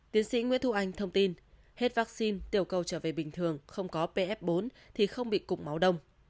tiến sĩ nguyễn thu anh thông tin hết vaccine tiểu cầu trở về bình thường không có pf bốn thì không bị cục máu đông